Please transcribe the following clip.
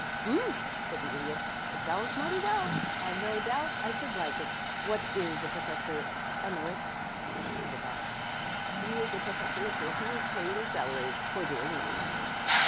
"Hm!" said the Idiot. "It sounds mighty well I've no doubt I should like it. What is a Professor Emeritus, Mr. Pedagog?" "He is a professor who is paid a salary for doing nothing."